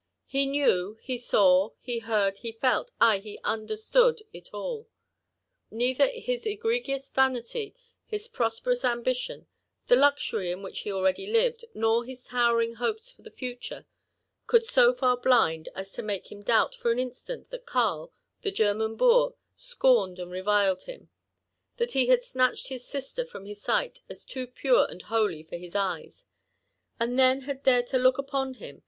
He knew, he saw, he heard, he felt, — ay, and he understood it all. Neither his egregious vanity, his prosperous ambition, the luxury in which he already lived, nor his towering hopes for the future, could so far blind, as to make him doubt for an instant that Karl, the German boor, scorned and reviled him, — that he liad snatched his sister from his sight as too pure and holy for his eyes, and then had dar^d to look upon him.